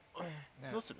どうする？